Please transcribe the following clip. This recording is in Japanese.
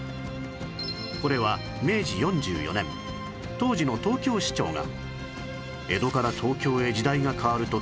これは明治４４年当時の東京市長が